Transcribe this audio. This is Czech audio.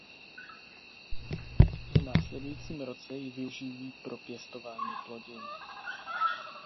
V následujícím roce ji využijí pro pěstování plodin.